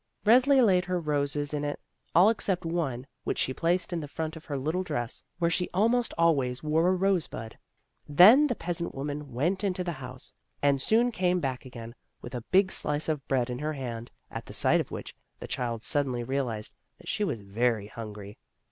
Resli laid her roses in it, all except one which she placed in the front of her little dress, where she almost always wore a rose bud. Then the peasant woman went into the house, and soon came back again with a big slice of bread in her hand, at sight of which, the child suddenly realized that she was very himgry.